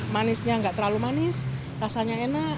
manisnya nggak terlalu manis rasanya enak